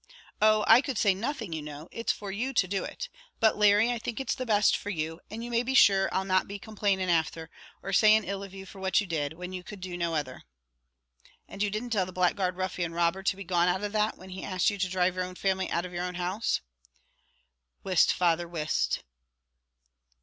Oh, I could say nothing, you know; it's for you to do it. But, Larry, I think it's the best for you, and you may be sure I'll not be complaining afther; or saying ill of you for what you did, when you could do no other." "And you didn't tell the blackguard ruffian robber to be gone out of that, when he asked you to dhrive your own family out of your own house?" "Whist, father, whist!"